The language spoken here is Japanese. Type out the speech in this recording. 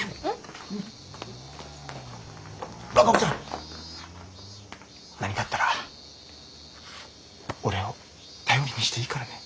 和歌子ちゃん何かあったら俺を頼りにしていいからね。